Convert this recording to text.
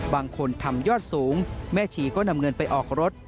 บางคนทำยอดสูงแม่ชีก็นำเงินไปออกรถ